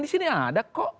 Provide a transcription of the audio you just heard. di sini ada kok